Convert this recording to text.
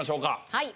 はい。